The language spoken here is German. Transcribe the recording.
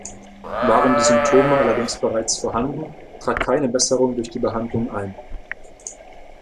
Waren die Symptome allerdings bereits vorhanden, trat keine Besserung durch die Behandlung ein.